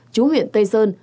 chú huyện tây sơn